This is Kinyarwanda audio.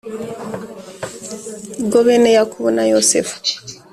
Bwo bene yakobo na yosefu